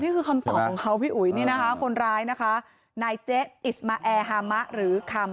นี่คือคำตอบของเขาพี่อุ๋ยคนร้ายนายเจ๊